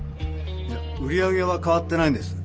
いや売り上げはかわってないんです。